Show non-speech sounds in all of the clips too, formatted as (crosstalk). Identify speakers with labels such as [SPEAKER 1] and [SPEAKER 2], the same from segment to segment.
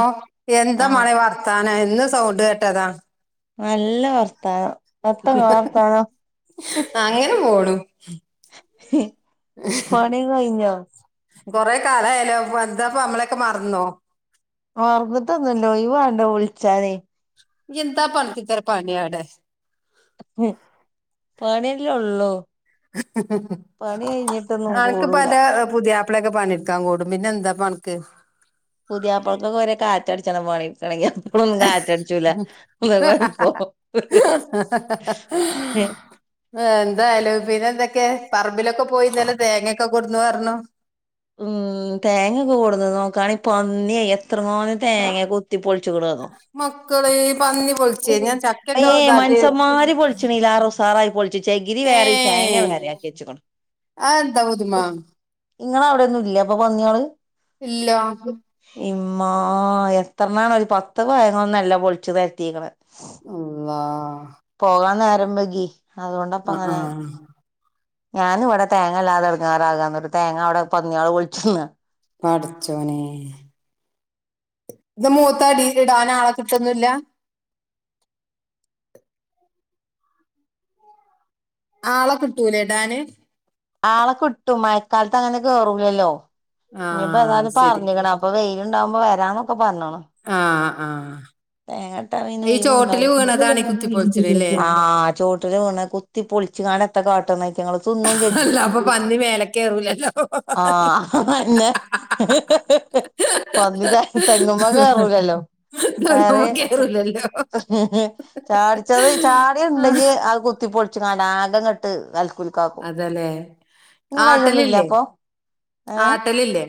[SPEAKER 1] ഓ എന്താ
[SPEAKER 2] ആഹ്
[SPEAKER 1] മളെ വർത്താന എന്ന് സൗണ്ട് കേട്ടതാ
[SPEAKER 2] നല്ല വർത്താനം എത്ത ഇങ്ങളെ വർത്താനം
[SPEAKER 1] അങ്ങനെ പോണു
[SPEAKER 2] പണി കഴിഞ്ഞോ
[SPEAKER 1] കൊറെ കാല ആയെലോ എന്താപ്പ അമ്മളൊക്കെ മർന്നോ
[SPEAKER 2] മർന്ന്ട്ടൊന്നും ഇല്ല ഒഴിവ് വാണ്ടെ വ വുൾച്ചാന്
[SPEAKER 1] ഇഞ് എന്താ അൻക്ക് ഇത്ര പണി അയുടെ
[SPEAKER 2] പണി അല്ലെ ഒള്ളു
[SPEAKER 1] അൻക്ക് ഇപ്പ
[SPEAKER 2] കൂടൂല
[SPEAKER 1] അന്റെ പുതിയാ പ്പള ഒക്കെ പണിട്ക്കാൻ കൂടും പിന്നെന്താപ്പ അൻക്ക്
[SPEAKER 2] റ്റ അട്‌ച്ചെരാൻ പണി ക്കണെങ്കി എപ്പളെന്നും കാറ്റടിച്ചൂലാ അതാ കൊയപ്പം
[SPEAKER 1] ന്നാ എന്തായാലും പിന്നെ എന്തൊക്കെ പറമ്പിലൊക്കെ പോയി ഇന്നലെ തേങ്ങൊക്കെ കൊട്ന്നു പർണു
[SPEAKER 2] ഉം തേങ്ങ ഒക്കെ കൊട്ന്നു നോക്കാണി പന്നിയെ എത്രങ്ങാനും തേങ്ങേ കൊത്തിപ്പൊളിച്ച്ക്ക്‌ണെന്നോ
[SPEAKER 1] കളേ
[SPEAKER 2] അയ്യേ മൻസന്മാര് പൊളിച്ച്ണെയ്ലേറെ ഉസാറായി പൊളിച്ച് ചെകിരി
[SPEAKER 1] ഏ
[SPEAKER 2] വേറിം തേങ്ങ വേറിം ആക്കിയെച്ച്ക്ക്‌ണ്
[SPEAKER 1] ത പുതുമാ
[SPEAKER 2] ഇങ്ങളെ അയുടൊന്നും ഇല്ലേ അപ്പ പന്നിയാൾ?
[SPEAKER 1] ഇല്ല
[SPEAKER 2] ഇമ്മാ എത്രണ്ണാണ് ഒരു പത്ത് തേങ്ങൊന്നല്ല പൊളിച്ച് പരത്തീക്ക്‌ണെ
[SPEAKER 1] അല്ലാഹ്
[SPEAKER 2] പോകാൻ നേരം ബ്ബെഗ്ഗി
[SPEAKER 1] അ
[SPEAKER 2] അതോണ്ടാപ്പങ്ങനായത്
[SPEAKER 1] ആ
[SPEAKER 2] ഞാനും ഇവടെ തേങ്ങല്ലാതെ എടങ്ങേറാകാന്നട്ട് തേങ്ങ അയുടെ പന്നിയാൾ പൊൾച്ച്ന്നാ
[SPEAKER 1] പട്ച്ചോനേ ഇത് മൂത്ത അടീൽ ഇടാൻ ആളെ കിട്ടൊന്നു ഇല്ലാ? ആളെ കിട്ടൂലേ ഇടാന്?
[SPEAKER 2] ആളെ കിട്ടും മഴക്കാലത്ത് അങ്ങനെ കേറൂലല്ലോ
[SPEAKER 1] ആ
[SPEAKER 2] ഇഞ്പ്പ ഏതാലും
[SPEAKER 1] ശരി
[SPEAKER 2] പർഞ്ഞ്ക്ക്‌ണ് അപ്പൊ വെയിൽ ഇണ്ടാവുമ്പോ വെരാന്നൊക്കെ പർൺ‌ണ്
[SPEAKER 1] ആ ആ
[SPEAKER 2] തേങ്ങട്ടാ പിന്നെ
[SPEAKER 1] ഈ ചോട്ടില് വീണതാണ് ഈ
[SPEAKER 2] ഒയിവൂണ്ടാവൂലെയ്
[SPEAKER 1] കുത്തിപ്പൊളിച്ചത് അല്ലേ
[SPEAKER 2] ആ ചോട്ടില് വൂൺ കുത്തി പൊ പൊൾച്ച് കാണ്ട് എത്താ കാട്ട്ണെ? ഇറ്റങ്ങള് തിന്നും ചെജ്ജും
[SPEAKER 1] അല്ല അപ്പൊ പന്നി മേലെ കയറൂലല്ലോ
[SPEAKER 2] ആ അയെന്നെ പന്നി തെ തെങ്ങ്മ്മെ കേറൂലല്ലോ അത്
[SPEAKER 1] സംഗമം കയറൂലല്ലോ
[SPEAKER 2] ചാടിച്ചത് ചാടിയെ
[SPEAKER 1] ആ,
[SPEAKER 2] ഇണ്ടെങ്കി അയ് കുത്തിപ്പൊ ച്ച് കാണ്ട് ആകെ ഇങ്ങട്ട് അൽ
[SPEAKER 1] അതെലെ
[SPEAKER 2] അതിലൊന്നും ഇല്ല
[SPEAKER 1] ആട്ടലില്ലേ ആട്ടലില്ലേ?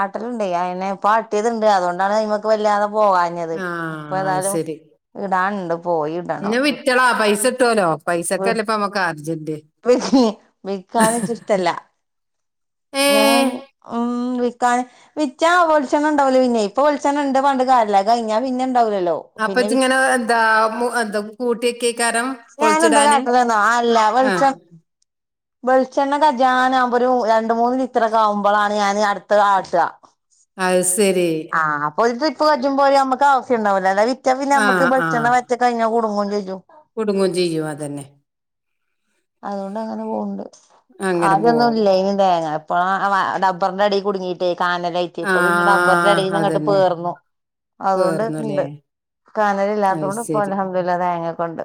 [SPEAKER 2] ആട്ടലിണ്ടെയ് അയെന്നെ ഇപ്പ ആട്ടിയത്ണ്ട് അതോണ്ടാണ് അയ്മക്ക് വല്ലാതെ പോവാഞ്ഞത്
[SPEAKER 1] ആ അയ് സെരി
[SPEAKER 2] പോയി ഇടണം
[SPEAKER 1] ഇന്നാ വിറ്റളാ പൈസട്ടോലോ പൈസക്കല്ലേ ഇപ്പ അമ്മക്ക് ആ
[SPEAKER 2] വിക്കാൻ ഇച്ച് ഇഷ്ട ഇല്ല
[SPEAKER 1] ഏ
[SPEAKER 2] ഞാൻ ഉം ക്കാൻ വിറ്റാ വെൾച്ചെണ്ണണ്ടാവൂല പിന്നെ ഇപ്പ വെൾച്ചെണ്ണ ഇണ്ട് പർൺട്ട് കാര്യ ഇല്ലാ അയ് കഴിഞ്ഞാ പിന്നെ ഉണ്ടാവൂലല്ലോ
[SPEAKER 1] അപ്പ
[SPEAKER 2] പിന്നെ വിറ്റ്
[SPEAKER 1] ഇജ്ജ്ങ്ങനെ എന്താ മു എന്താ കൂട്ടിയെക്കെയ്ക്കാരം?
[SPEAKER 2] ഞാൻ എന്താ കാട്ടൽന്നോ അല്ല വെൾച്ച വെൾച്ചെണ്ണ കജ്ജാനാവുമ്പൊരു രണ്ട്‌ മൂന്ന് ലിറ്ററൊക്കെ ആവുമ്പളാണ് ഞാന് അട്ത്തെ ആട്ടാ
[SPEAKER 1] അയ് സെ
[SPEAKER 2] ആ അപ്പൊ ഒരു ട്രിപ്പ് കജ്ജുമ്പോ പോലെ ഞമ്മക്ക് ആവ്സ്യം ഇണ്ടാവൂലെ അതായത്
[SPEAKER 1] ആ
[SPEAKER 2] മറ്റേപിന്നമ്മക്ക്
[SPEAKER 1] ആ
[SPEAKER 2] ബെൾച്ചെണ്ണ പറ്റെ കഴിഞ്ഞാ കുടുങ്ങും ചെജ്ജും
[SPEAKER 1] കുടുങ്ങും ചെയ്യും അതന്നെ
[SPEAKER 2] അതുകൊണ്ട് അങ്ങനെ പോവ്ണ്ട്
[SPEAKER 1] അങ്ങനെ പോവും
[SPEAKER 2] ആദ്യൊന്നുംല്ലൈനി തേങ്ങ ഇപ്പൊ ആ ഡബ്ബർന്റെ എടീ കുടുങ്ങിയിട്ടേ കാനലയ്റ്റ്
[SPEAKER 1] ആ
[SPEAKER 2] ഇപ്പ പിന്നെ ഡബർന്റെടീന്ന്ങ്ങട്ട്
[SPEAKER 1] അതന്നെ
[SPEAKER 2] പേർന്നു അതുകൊണ്ട്
[SPEAKER 1] പേർന്നുല്ലേ
[SPEAKER 2] ഉണ്ട്
[SPEAKER 1] അത്
[SPEAKER 2] കാനലില്ലാത്തോണ്ട് ഇപ്പൊ
[SPEAKER 1] ശരി
[SPEAKER 2] അൽഹംദുലില്ലാഹ് തേങ്ങക്കണ്ട്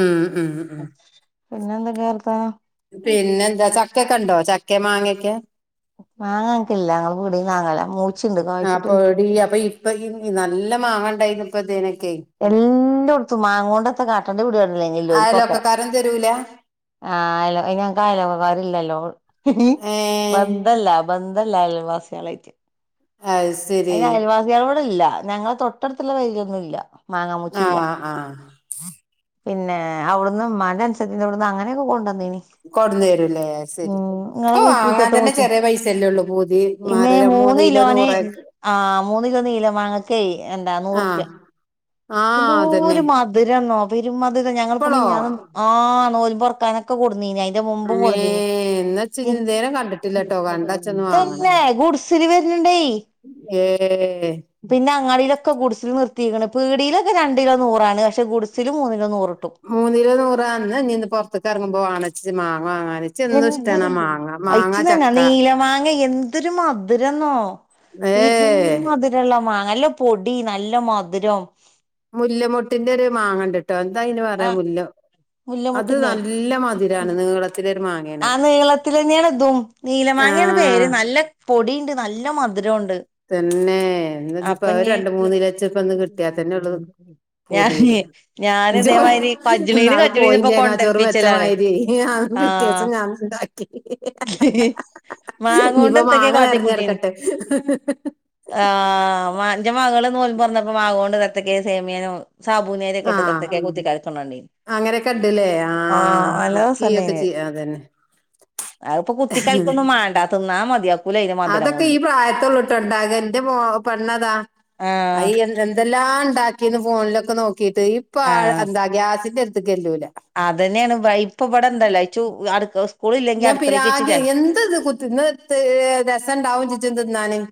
[SPEAKER 1] ഉം ഉം ഉം
[SPEAKER 2] വർത്താനം
[SPEAKER 1] പിന്നെന്താ ചക്ക ക്കണ്ടോ ചക്കെ മാങ്ങൊക്കെ?
[SPEAKER 2] മാങ്ങങ്ങക്കില്ല ഞങ്ങ പീടീന്ന് വാങ്ങല
[SPEAKER 1] ആപ്പൊ എട അപ്പൊ ഇപ്പൊ നല്ല മാങ്ങണ്ടായിന്ന ഇപ്പേനക്ക
[SPEAKER 2] എല്ലാം കൊടുത്തും മാങ്ങ കൊണ്ടത്തെ കാട്ടൻന്റെ പിീടടല്ലെങ്കല്ലോലിക്കൊക്കെ
[SPEAKER 1] അയലൊക്കക്കാരൻ തരൂല
[SPEAKER 2] ആഹല ഞക്ക് ആായലക്കെക്കാറില്ലല്ലോ
[SPEAKER 1] ഏ
[SPEAKER 2] ബന്തല്ല അതല്ല അയൽവാസികളായിട്ട്
[SPEAKER 1] അത് ശരി
[SPEAKER 2] അതിന് അയൽവാസികള കൂടെ ഇല്ല ഞങ്ങളെ തൊട്ടടുത്തുള്ള വൈര്ൊന്നും ഇല്ല
[SPEAKER 1] ആഹ
[SPEAKER 2] മാങ്ങാമൂച്ചില്ല
[SPEAKER 1] ആഹ
[SPEAKER 2] പിന്നെ അവിടന്ന് മന്റെ അനസര ഇവിടന്ന് അങ്ങനെയൊക്കെ കൊണ്ടുുവന്നീനി
[SPEAKER 1] കൊടന്ന് വരൂല്ലേ ശരി ഓ അങ്ങാൻ
[SPEAKER 2] മിറ്റത്തെ
[SPEAKER 1] തന്നെ
[SPEAKER 2] മൂച്ചി
[SPEAKER 1] ചെറിയ പൈസല്ലേള്ളൂ പൂതി മാറി മൂതി
[SPEAKER 2] കിലോന ആ മൂന്ന കിലോ നീലം വാങ്ങക്ക എന്താ
[SPEAKER 1] ആഹ്
[SPEAKER 2] നൂറുപ്യ എന്ത
[SPEAKER 1] ആഹ് അതന്നെ
[SPEAKER 2] ഒരു മധുര എന്നോ അപ്പൊരു മധുര ഞങ്ങിപ്പോ
[SPEAKER 1] ഇപ്പളോ
[SPEAKER 2] മിഞ്ഞാന ആ ആ പൊറക്കാനൊക്കെൂ
[SPEAKER 1] അങ്ങേ എന്നാ ഇച്ച് ഇതേരം കണ്ടിട്ടില്ലട്ടോ കണ്ടാച്ചൊന്ന് വാങ്ങണം
[SPEAKER 2] തന്നെ ഗുഡ്സില്
[SPEAKER 1] ഏഹ്
[SPEAKER 2] പിന്നെ അങ്ങാളൊക്കെ കൂ നിർ പീടിയിലൊക്കെ രണ്ട കിലോ നൂറാണ് പക്ഷേ ഗഡസിില് മൂന്ന കിലോ നൂറ്ണ്ട്
[SPEAKER 1] മൂന്നിലോ നൂറന്ന് നിീന്ന്റത്തേക്ക് ഇറങ്ങുമ്പോ വാണച്ച മാങ്ങ വാങ്ങാ
[SPEAKER 2] എന്തൊരു അയിച്ച തന്നാ
[SPEAKER 1] ചക്ക
[SPEAKER 2] നീലമാങ്ങ എന്തൊരു മധുര എന്നോ പിരു
[SPEAKER 1] ഏഹ്
[SPEAKER 2] മധുരമള്ള മാ നല്ല പൊടി നല്ല മധുരം
[SPEAKER 1] മുല്ലമുട്ടിന്റെ ഒരു മാങ്ങണ്ടിട്ടും കേട്ടോ എന്താ ഇന് പറയാൻ
[SPEAKER 2] ആഹ്
[SPEAKER 1] മുല്ല അത്
[SPEAKER 2] മുല്ലമുട്ടിന്റെ
[SPEAKER 1] നല്ല മധുരാണ് നിീളത്തില ഒരു മാ
[SPEAKER 2] ആ നീളത്തി തന്നെയാണ് ഇതും നീല മാങ്ങാണ്
[SPEAKER 1] ആഹ്
[SPEAKER 2] പേര് നല്ല പൊടിുണ്ട് നല്ല മ മര ഉണ്ട്
[SPEAKER 1] തന്നെപ്പോ രണ്ട മൂന്നിലച്ച ഇപ്പന്ന് കിട്ടിയാ തന്നെള്ളത്
[SPEAKER 2] ഞാന്
[SPEAKER 1] പൂതിീല്
[SPEAKER 2] ഞാന് ഇതേമാതിരി കജ്ജ്ണീന്
[SPEAKER 1] ജോാള്
[SPEAKER 2] കജ്ജ്ണീന് ഇപ്പൊ
[SPEAKER 1] കോയിന്റെക്കാ ചോറ്
[SPEAKER 2] കൊണ്ടൽപ്പിച്ചലാണ്
[SPEAKER 1] മെച്ചമായിരി പിറ്റേ
[SPEAKER 2] ആഹ്
[SPEAKER 1] ഉണ്ടാക്കി
[SPEAKER 2] മാങ്ങോണ്ട്
[SPEAKER 1] ഇപ്പ മാങ്ങ നിറഞ്ഞർക്കട്ടെ
[SPEAKER 2] ആ അറെ മകള് നോ പററന്നപ്പോ മകൊണ്ട് രത്തക്ക സേമിയാനോ സാബു നേരെ
[SPEAKER 1] ആഹ്
[SPEAKER 2] കെട്ടത്തക്കെ കുത്തിക്കാലക്കൊണ്ട
[SPEAKER 1] അങ്ങനെയൊക്കെ ഇണ്ടല്ലേ ആ കുക്കി ഒക്കെ ചെയ അതന്നെ
[SPEAKER 2] അത്പ്പോൊ കുത്തി കാലത്ത ഒന്നും മണ്ടാ തിന്നാ മതിയാ
[SPEAKER 1] അതൊക്കെ ഈ പ്രായത്തള്ളിട്ടുണ്ടാക എന്റെ പെണ്ണതാ അ
[SPEAKER 2] ആഹ്
[SPEAKER 1] എന്ത എല്ലാം ഉണ്ടാക്കിന്ന് ഫോണിലൊക്കെ നോക്കിട്ട് ഇപ്പ എന്താ ഗ്യാസിന്റെ അടുത്തേക്ക് എല്ലൂല
[SPEAKER 2] അതന്നെയാണ് ഇപ്പ ഇവിടെ എന്തല്ലച്ച അടു
[SPEAKER 1] ഞാൻ പിരാഗെം എന്ത് ഇത് കുത്തി ഇന്ന് രസംുണ്ടാവും ചിറ്റി എന്ത്ന്നാനൻ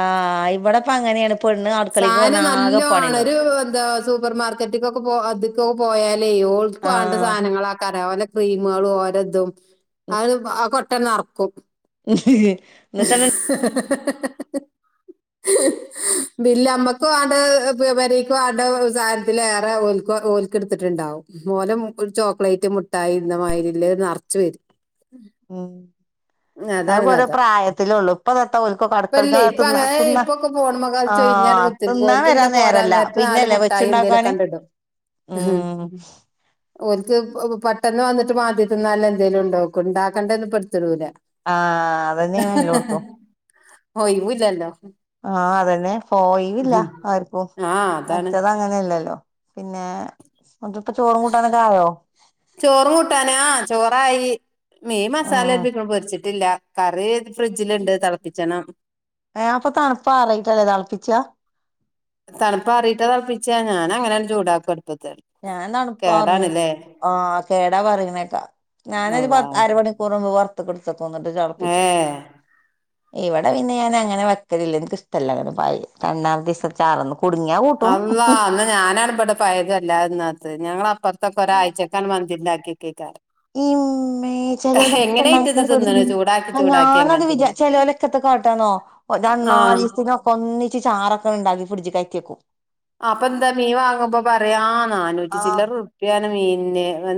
[SPEAKER 2] ആഹ് ഇവടെപ്പ അങ്ങനേണ് പെണ്ണ് അടുക്കളേക്ക്
[SPEAKER 1] സാന
[SPEAKER 2] വന്നാ
[SPEAKER 1] നല്ല
[SPEAKER 2] ആകെ
[SPEAKER 1] ആണ ഒരു
[SPEAKER 2] പണിണ്ടാവും
[SPEAKER 1] എന്താ സൂപ്പർമാർക്കറ്റ് ൊക്കെ പോ അക്കൊക്കെ പോയാലേ ഓൾക്ക് വേണ്ട
[SPEAKER 2] ആഹ്
[SPEAKER 1] സാധനങ്ങള ആ കര അവ ക്രീമുകളും ഓരതും അത് ആ കൊട്ടനറക്കും
[SPEAKER 2] നത്താരൻ
[SPEAKER 1] വില്മ്മക്കും ആടെ വരക്കും ആടെ സഹയത്തി റെ ഓ ഓൽക്ക എടുത്തിട്ടുണ്ടാവും മോലം ഒരു ചോക്ലേറ്റ് മുട്ടായി ഇമാതിരില്ലേ നിറച്ച്ു വര അതാണ്
[SPEAKER 2] ആഹ അത
[SPEAKER 1] കഥ
[SPEAKER 2] പ്രായത്തിലേ ഉള്ളു ഇപ്പൊ നിത്തരിക്ക കടക്കള
[SPEAKER 1] ഇപ്പല്ലേ ഇപ്പൊ
[SPEAKER 2] തിന്ന
[SPEAKER 1] അങ്ങനെ
[SPEAKER 2] തിന്ന
[SPEAKER 1] ഇപ്പൊക്കെ ഫോണുമ്മ
[SPEAKER 2] ആ
[SPEAKER 1] കളിച്ച് ഒഴിഞ്ഞാണ്ട്
[SPEAKER 2] ആ
[SPEAKER 1] കുത്തിരിക്കും
[SPEAKER 2] തിന്ന
[SPEAKER 1] ഓൽക്ക്
[SPEAKER 2] വരാ
[SPEAKER 1] പിന്നെ പോരാൻ
[SPEAKER 2] നേരല്ല
[SPEAKER 1] നേരത്ത് നാല്
[SPEAKER 2] പിന്നെല്ലേ
[SPEAKER 1] മുട്ടായി എന്തേലും
[SPEAKER 2] വെച്ചുണ്ടാക്കാന്
[SPEAKER 1] കണ്ടിടും
[SPEAKER 2] ഉം
[SPEAKER 1] ഒരുക്ക് പെട്ടെന്ന് വന്നിട്ട് മാദ്യത്തി നല്ല എന്തേങ്കലും ഉണ്ടോ ഉണ്ടാക്കേണ്ടന്ന് പെടുത്തടുല
[SPEAKER 2] ആ അതന്നെയ ണല്ല കൊടുത്തു
[SPEAKER 1] ഹ ഇവില്ലല്ല
[SPEAKER 2] ആഅതന്നെ പോയില്ല ആർക്കും
[SPEAKER 1] ആ അതാണ്
[SPEAKER 2] മറ്റത് അങ്ങനെല്ലല്ലോ പിന്നെ മക്കക്കു ചോറും കൂട്ടാനൊക്കൊയോ
[SPEAKER 1] ആയി മീ മസാല എ പൊരിച്ചിട്ടില്ല കാര കുറ ഫ്രിഡ്ജിലുണ്ട് തിളപ്പിച്ചണം
[SPEAKER 2] ഏഹ് അപ്പൊ തണുപ്പാ ആറിയിട്ടല്ലേ തളപ്പിച്ചാ
[SPEAKER 1] തണുപ്പ അറിയിട്ട തളപ്പിച്ചാ ഞാന അങ്ങനെയ ചൂടാക്ക ല്
[SPEAKER 2] ഞാൻ തണുപ്പാ പറഞ്ഞ ആ കേടാ പറങ്ങനേക്കാ ഞാനൊരു
[SPEAKER 1] അള്ളാ
[SPEAKER 2] പത്ത് അരമണിക്കൂർമ്പ് ത്ത കെടുത്തക്കന്നിട്ട്
[SPEAKER 1] ഏ
[SPEAKER 2] ളപ്പിച്ചു ഇവിടെ പിന്നെ ഞാൻ അങ്ങനെ വെക്കലില്ല എനിക്ക് ഇഷ്ടല്ല അങ്ങനെ രണ്ടാമത്തെ ദിവസ ചാറന്ന
[SPEAKER 1] അള്ള അന്ന് ഞാനടബടെ പയതല്ല ഇന്നകത്ത് ഞങ്ങള അപ്പറ ഒരാഴ്ചതേക്കാണ് മന്തിഉണ്ടാക്കി വെയ്ക്കാറ്
[SPEAKER 2] മേ ചലലൊക്കെണ്ട
[SPEAKER 1] ചൂടാക്കി ചൂടാക്കി
[SPEAKER 2] ഞാനത്
[SPEAKER 1] അങ്ങനെ
[SPEAKER 2] വി
[SPEAKER 1] തിന്നും
[SPEAKER 2] ചാരിച്ചോ ലവലൊക്ക കാട്ടാന്നോ
[SPEAKER 1] ആ
[SPEAKER 2] നല്ക്ക ഒന്നിച്ച് ചാറൊക്കെ ഉണ്ടാക്കി ഫ്രഡ് കയറ്റക്കും
[SPEAKER 1] അപ്പൊ എന്താ മീ വാങ്ങുമ്പോ പറയാ നാനൂറ്റി
[SPEAKER 2] ആഹ്
[SPEAKER 1] ചില്ലറ ഉറപ മീ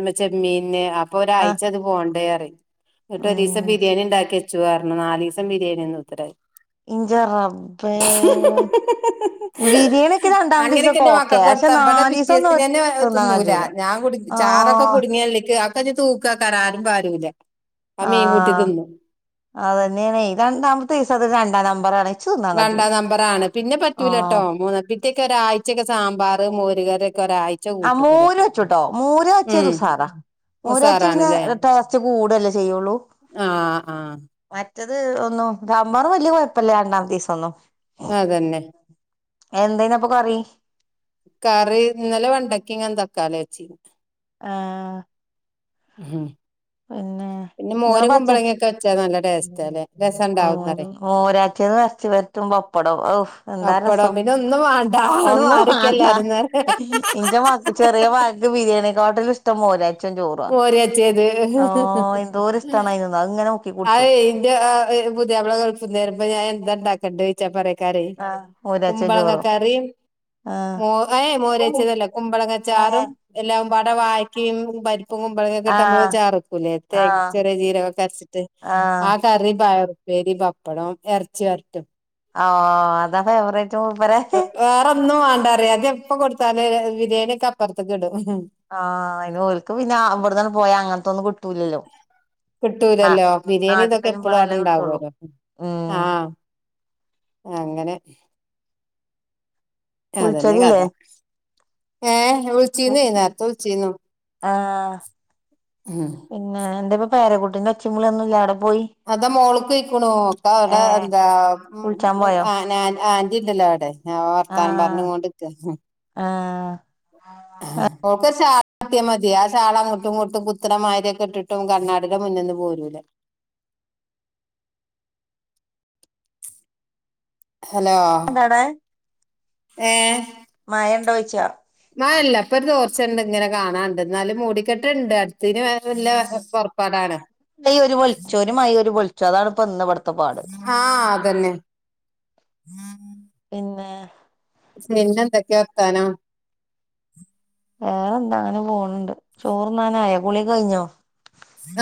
[SPEAKER 1] ന് ചെമ്മീ ന് അപ്പൊ
[SPEAKER 2] ആഹ്
[SPEAKER 1] ഒരാഴ്ച അത് പോണ്ടിയാ റി എന്നിട്ട് ഒരു ദിവസം
[SPEAKER 2] ഉം
[SPEAKER 1] ബിരിയാണി ഉണ്ടാക്കി അച്ചുരണം നാല് ദിവസം ബിരിയാണി എന്ന് ഉത്തരായി
[SPEAKER 2] ഇന്റെ റബ്ബേ ബിരിയാണിയൊക്കെ രണ്ടാമത്തെ
[SPEAKER 1] അങ്ങനെയൊക്കെ
[SPEAKER 2] ദിവസൊക്കെ
[SPEAKER 1] എന്റെ
[SPEAKER 2] ഓക്കെ
[SPEAKER 1] മക്കൾക്ക്ടുതാൽ
[SPEAKER 2] പക്ഷെ
[SPEAKER 1] ഇവി ടെ
[SPEAKER 2] നാലീസൊന്നും
[SPEAKER 1] പിറ്റേന്ന് തന്നെ തി
[SPEAKER 2] തിന്നാൻ
[SPEAKER 1] ന്നൂല
[SPEAKER 2] കജൂല
[SPEAKER 1] ഞാൻ കു ചാറൊക്കെ
[SPEAKER 2] ആഹ്
[SPEAKER 1] കുടുങ്ങിയള്ളേക്ക് തൂക്കക്കാറ ആരും പരുല്ല
[SPEAKER 2] ആ അത് തന്നെയാണ് രണ്ടാമത്തെ ദിവസതു രണ്ടാം നമ്പറാണ് ഇച്ച് തിന്നാൻ കജൂല
[SPEAKER 1] രണ്ടാം നമ്പറ ആണ് പിന്നെ
[SPEAKER 2] ആഹ്
[SPEAKER 1] പറ്റൂലട്ടോ മൂന്നപ്പറ്റൊക്കെ ഒരാഴ്ചക്കെ സാമ്പാർ മോരുകര
[SPEAKER 2] ആ മൂര വച്ചുട്ടോ മൂര വച്ചേ
[SPEAKER 1] ഉം
[SPEAKER 2] ദസാറാ മൂരാഴ്ച പിന്നെ
[SPEAKER 1] ഉസാറാണല്ലേ
[SPEAKER 2] ടേറ്റ് കൂടല്ലേ ചെയ്യുള്ളൂ
[SPEAKER 1] ആഹ് ആഹ്
[SPEAKER 2] മ മറ്റേത് ഒന്നും സാബാർ വല്യ കുഴപ്പമല്ല രണ്ടാമത്തെ ദീസം ഒന്നും
[SPEAKER 1] അതന്നെ
[SPEAKER 2] എന്തനപ്പൊ കറി
[SPEAKER 1] കറി ഇന്നലെ വണ്ടക്കി ഇങ്ങ തക്കാളി വച്ചി
[SPEAKER 2] ആ
[SPEAKER 1] ഉം
[SPEAKER 2] പിന്നെ
[SPEAKER 1] പിന്നെ
[SPEAKER 2] ഇങ്ങ
[SPEAKER 1] മോരും
[SPEAKER 2] പച്ച
[SPEAKER 1] കുമ്പളങ്ങൊക്കെ വെച്ചാ നല്ല ടേസ്റ്റാല്ലേ രസണ്ടാവുന്നറിം
[SPEAKER 2] പച്ചത് കച്ച് പറ്റും പപ്പടം ഓ എന്താ
[SPEAKER 1] പപ്പടം
[SPEAKER 2] രസം
[SPEAKER 1] പിന്നെ ഒന്നും വാണ്ട ആണ്
[SPEAKER 2] ഒന്നും
[SPEAKER 1] മാറിക്ക
[SPEAKER 2] വണ്ട
[SPEAKER 1] എല്ലാരുംന്നറിം
[SPEAKER 2] എ ന്റെ ചെറിയ മകൾക്ക് ബിരിയാണിക്കാട്ടില് ഇഷ്ടം മോരാ
[SPEAKER 1] മോര് കാച്ചിയത്
[SPEAKER 2] എന്തോര് ഇഷ്ടാണ് അയിനൊന്ന് അത് ഇങ്ങനെ മുക്കി
[SPEAKER 1] അ
[SPEAKER 2] കുടിച്ചും
[SPEAKER 1] ഇതെ പുതിയാപ്പ ള ഗൾഫിനു വ രുമ്പോ ഞാൻ എന്താ ഉണ്ടാക്കണ്ടേ ന്ന് ചോച്ചാ പറ കറി
[SPEAKER 2] മൂരാച്ചിയും
[SPEAKER 1] കുമ്പളക
[SPEAKER 2] ചോറും
[SPEAKER 1] കറി
[SPEAKER 2] ആഹ്
[SPEAKER 1] മോ ഏ മോരേച്ചതല്ലേ കുമ്പളങ്ങച്ചാറും
[SPEAKER 2] ഏഹ്
[SPEAKER 1] എല്ലാം അവിടെ വായക്കയും പരിപ്പും കുമ്പളങ്ങ ഒക്കെട്ട് നമ്മ
[SPEAKER 2] ആഹ്
[SPEAKER 1] ചാറക്കൂലേ തേങ്ങ ചെറിയ ജീരകൊക്കെ അരച്ചിട്ട്
[SPEAKER 2] ആ
[SPEAKER 1] പ യർപ്പേരി പപ്പടം ഇറച്ചി വ രട്ടും
[SPEAKER 2] ആ അതെ അവവറ
[SPEAKER 1] വേറെൊന്നും വേണ്ടാറിയ അത് എപ്പൊ കൊടുത്താല് ബിരിയാണിയക്കെ അപ്പുറത്തക്ക ഇടും
[SPEAKER 2] ആഅയിന് ക്ക് പിന്നെ ഇവിടെന്നന്നെ പോയാ അങ്ങനത്തൊന്നും കിട്ടൂല്ലല്ലോ
[SPEAKER 1] കിട്ടൂലല്ലോ ബിരിയാണി ഇതൊക്കെ എപ്പഴും
[SPEAKER 2] വരുമ്പളല്ലേ കിട്ടുള്ളൂ
[SPEAKER 1] അടെണ്ടാവല്ലോ ആ
[SPEAKER 2] ഉം
[SPEAKER 1] അങ്ങനെ അ തെന്നെ കഥ
[SPEAKER 2] വിളിച്ചലില്ലേ
[SPEAKER 1] ആ വിളിച്ചിനെ നേർത്ത വിളിച്ചിനോ
[SPEAKER 2] ആഹ് പിന്നെ എന്റെപ്പ പേരക്കുട്ടിന്റെ ഒച്ചിമളിയൊന്നും ഇല്ലവി
[SPEAKER 1] അതാ മോളക്ക് ഇക്കുണുകട
[SPEAKER 2] ഏഹ്
[SPEAKER 1] എന്താ
[SPEAKER 2] കുളിച്ചാൻ പോയോ
[SPEAKER 1] പണ്ടല്ലോ അവിടെ ഞാൻ വർത്താനൻ പറഞ്ഞ
[SPEAKER 2] ആഹ്
[SPEAKER 1] കൊണ്ട്രി ക്ക
[SPEAKER 2] ആഹ്
[SPEAKER 1] ഓക്കെ ച്ചാ മത്യാ മതി ആ ചാള അങ്ങോട്ടും ഇങ്ങോട്ടും പുത്രന്മാരൊക്കെ ഇട്ടിട്ടും കണ്ണാടില മുന്നന്ന് പോരൂല (unintelligible) ഹലോ ഏ
[SPEAKER 2] മായണ്ടോച്ചാ
[SPEAKER 1] ച്ച്ണ്ട് ങ്ങനെ കാണാണ്ട് ന്നാലും മൂടിക്കെട്ട്ണ്ട് അടുത്തിന് വര്ല്ല പൊർപ്പാടാണ്
[SPEAKER 2] (unintelligible) ഒരു വൊൾച്ചോര് മയ ഒര് വൊൾച്ച അതാണ് പ്പൊ ഇന്ന് വ്ട് ത്തപാട്
[SPEAKER 1] ആഹ് അതന്നെ
[SPEAKER 2] പിന്നേ
[SPEAKER 1] പിന്നെന്തെക്കെ വർത്താനോ
[SPEAKER 2] വേറെ എന്താ അങ്ങനെ പോണ് ണ്ട് ചോറ്ന്നാനായൊ കുളി കയ്ഞ്ഞോ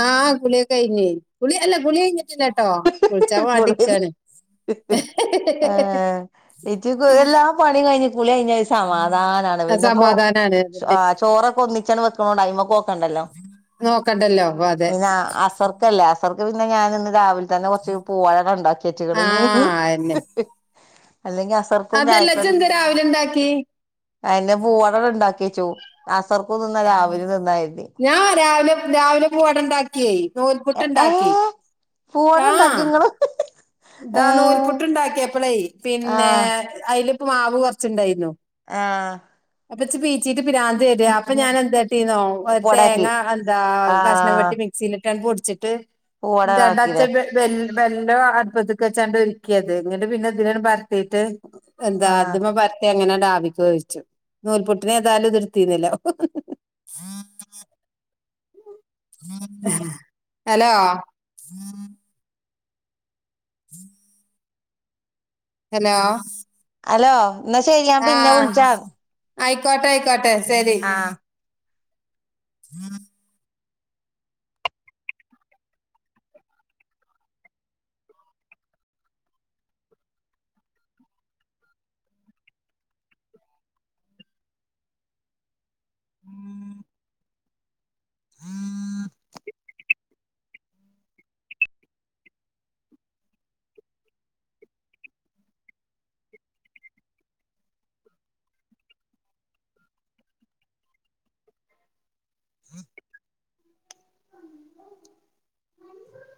[SPEAKER 1] ആഹ് കുളിയൊ കഴിഞ്ഞ് കുളി അല്ല കുളി യ്ഞ്ഞിട്ടില്ലട്ടോ കുൾച്ചാ വാണ്ടി ക്കാണ്
[SPEAKER 2] ആഹ് ഇച് എല്ലാം പണി കയ്ഞ്ഞി കുളി കയ്ഞ്ഞ ഒര് സമാധാനാണ്
[SPEAKER 1] ആ,
[SPEAKER 2] പിന്നെപ്പോ
[SPEAKER 1] സമാധാനാണ്
[SPEAKER 2] ആ
[SPEAKER 1] അതന്നെ
[SPEAKER 2] ചോറൊക്ക ഒന്നിച്ചണ് വെക്ക്‌ണോണ്ട് അയ്മക്ക്‌ ഓക്കണ്ടല്ലോ
[SPEAKER 1] നോക്കണ്ടല്ലോ അപ്പൊ അതെ
[SPEAKER 2] പിന്ന അസർക്കല്ലേ അസർ ക്ക്‌ പിന്ന ഞാന് ന്ന് രാവിൽ തന്നെ കൊർച്ച് പൂവഴങ്ങ ണ്ടാക്യെച്ച്ക്ണ്
[SPEAKER 1] ആ
[SPEAKER 2] ഇ ഈ
[SPEAKER 1] അതന്നെ
[SPEAKER 2] അല്ലെങ്കി അസർക്കും
[SPEAKER 1] അതല്ല
[SPEAKER 2] ചായ്ക്കടി
[SPEAKER 1] ചെന്ത് രാവിലെ ഉണ്ടാക്കി
[SPEAKER 2] അയ്ന്റെ പൂവൊണ്ടട് ണ്ടാക് ക്കിച്ചോ അസർക്കു ത് ന്നാ രാവിലെ തിന്നാ കെര്തി
[SPEAKER 1] ഞാൻ രാവിലെ രാവിലെ പൂവട ണ്ടാക്കി നൂൽപുട്ട് ണ്ടാക്കി
[SPEAKER 2] പൂവടണ്ടാക്കി ങ്ങള്
[SPEAKER 1] താ നൂൽപുട്ടുണ്ടാക്ക്യപ്പളേ പിന്നെ
[SPEAKER 2] ആഹ്
[SPEAKER 1] അയ്ലിക്ക്‌ മാവ് കൊർച്ച്ണ്ടായിരുനു
[SPEAKER 2] ആഹ്
[SPEAKER 1] അപ്പെച്ച് പീച്ചിട്ട് പ്രാന്ത് വെര അപ്പൊ ഞാന് എന്താട്ടീന്നോ ഒര്
[SPEAKER 2] പൂവടാക്കി
[SPEAKER 1] തേങ്ങ എന്താ കഷ്ണം
[SPEAKER 2] ആഹ്
[SPEAKER 1] വട്ടി മിക്സില് ട്ടാണ് പൊട്ച്ചിട്ട്
[SPEAKER 2] പൂവട
[SPEAKER 1] ന്തണ്ട
[SPEAKER 2] ആക്കിലേ
[SPEAKER 1] (unintelligible) വെൽ ബെല്ലോ അട്പത്ത്ക്ക് വെച്ചാണ്ട് ഒരുക്കിയത് ങ്ങട്ട് പിന്ന തിലട്ട് പര്ത്തീറ്റ് എന്താ
[SPEAKER 2] ആഹ്
[SPEAKER 1] അദ്മ പര്ത്ത്യാ അങ്ങന ണ്ടാവിക്ക് വെവ്ച്ചു നൂൽപുട്ടിന് ഏതാലും തെട്ത്തിനല്ലോ ഹലോ (unintelligible) ഹലോ
[SPEAKER 2] ഹലോ ന്നാ ശരി ഞാ പിന്ന
[SPEAKER 1] ആഹ്
[SPEAKER 2] വിൾച്ചാ
[SPEAKER 1] ആയിക്കോട്ടെ ആയിക്കോട്ടെ ശരി (unintelligible) (unintelligible) (unintelligible)